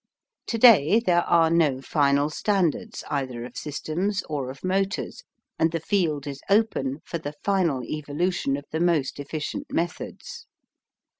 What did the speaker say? To day there are no final standards either of systems or of motors and the field is open for the final evolution of the most efficient methods.